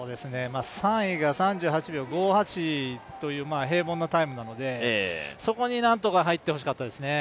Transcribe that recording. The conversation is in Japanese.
３位が３８秒５８という平凡なタイムなので、そこに何とか入ってほしかったですね。